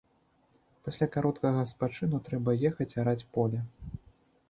Пасля кароткага спачыну трэба ехаць араць поле.